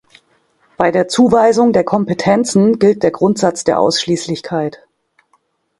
Bei der Zuweisung der Kompetenzen gilt der Grundsatz der Ausschließlichkeit.